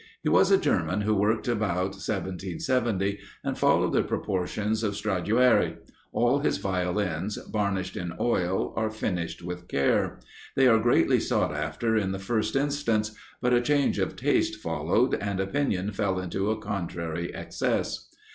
He was a German, who worked about 1770, and followed the proportions of Stradiuari; all his Violins, varnished in oil, are finished with care. They were greatly sought after in the first instance, but a change of taste followed, and opinion fell into a contrary excess.